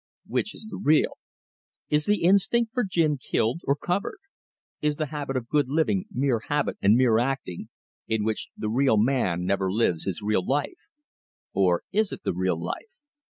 Which is the real? Is the instinct for the gin killed, or covered? Is the habit of good living mere habit and mere acting, in which the real man never lives his real life, or is it the real life?